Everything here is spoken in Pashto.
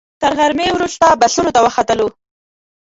تر غرمې وروسته بسونو ته وختلو.